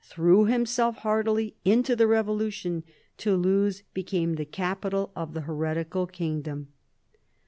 threw himself heartily into the revolution, Toulouse became the capital of the heretical kingdom.